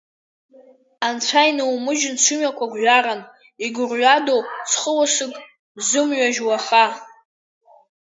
Анцәа инумыжьын сымҩақәа гәҩаран, игәырҩадоу ҵхы ласык сзымҩажь уаха.